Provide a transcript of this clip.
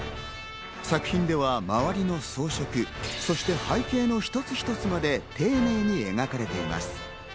作品では周りの装飾、そして背景の一つ一つまで丁寧に描かれています。